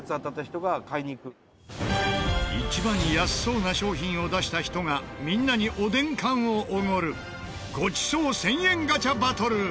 一番安そうな商品を出した人がみんなにおでん缶をおごるご馳走１０００円ガチャバトル。